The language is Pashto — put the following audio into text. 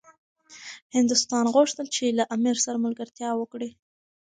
هندوستان غوښتل چي له امیر سره ملګرتیا وکړي.